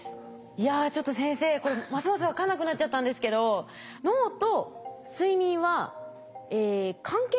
いやちょっと先生これますます分かんなくなっちゃったんですけど脳と睡眠は関係がないっていうことになっちゃうんですか？